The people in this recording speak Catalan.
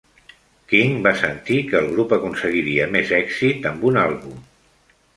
King va sentir que el grup aconseguiria més èxit amb un àlbum.